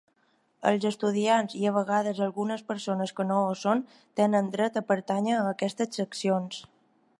Els estudiants, i a vegades algunes persones que no ho són, tenen dret a pertànyer a aquestes seccions.